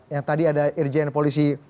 yang tadi ada irjen polisi